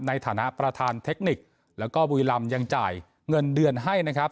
ในฐานะประธานเทคนิคแล้วก็บุรีรำยังจ่ายเงินเดือนให้นะครับ